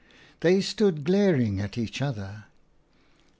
They stood glaring at each other.